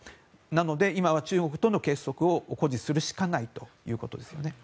なので今は中国との結束を誇示するしかないということです。